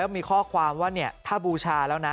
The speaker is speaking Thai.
มีข้อความว่าถ้าบูชาแล้วนะ